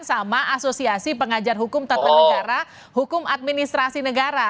sama asosiasi pengajar hukum tata negara hukum administrasi negara